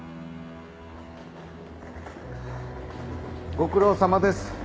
・ご苦労さまです。